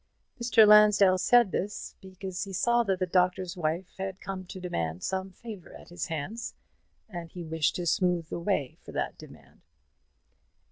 Mr. Lansdell said this because he saw that the Doctor's Wife had come to demand some favour at his hands, and he wished to smooth the way for that demand.